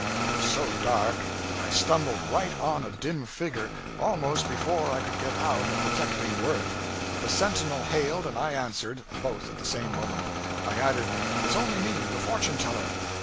It was so dark that I stumbled right on a dim figure almost before I could get out a protecting word. The sentinel hailed and I answered, both at the same moment. I added, 'It's only me the fortune teller.'